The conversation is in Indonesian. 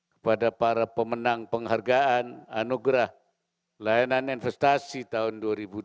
kepada para pemenang penghargaan anugerah layanan investasi tahun dua ribu dua puluh